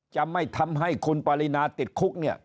จะไม่ทำให้คุณปรินาติดคุกเนี่ย